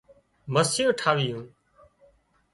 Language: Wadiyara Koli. مسيون ٺاهيون